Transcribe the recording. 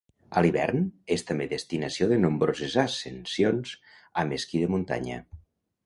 A l'hivern, és també destinació de nombroses ascensions amb esquí de muntanya.